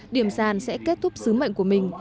điểm sàn sẽ kết thúc sứ mệnh của mình